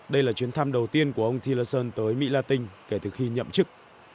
đây là chuyến thăm đầu tiên của ông tillerson tới mỹ latin kể từ khi nhậm chức